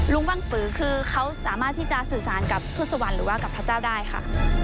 ว่างปือคือเขาสามารถที่จะสื่อสารกับพุทธสวรรค์หรือว่ากับพระเจ้าได้ค่ะ